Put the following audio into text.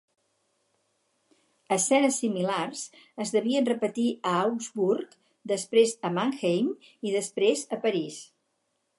Escenes similars es devien repetir a Augsburg, després a Mannheim i després a París.